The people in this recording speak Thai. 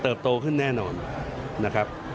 โตขึ้นแน่นอนนะครับ